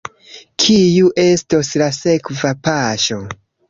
Kiu estos la sekva paŝo?